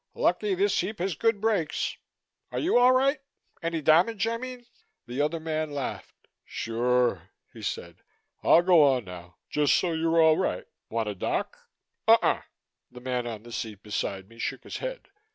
Lucky this heap has good brakes. Are you all right? Any damage, I mean?" The other man laughed. "Sure," he said. "I'll go on now, just so you're all right. Want a doc?" "Uh uh!" the man on the seat beside me shook his head.